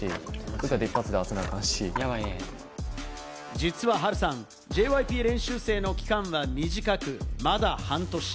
実はハルさん、ＪＹＰ練習生の期間が短く、まだ半年。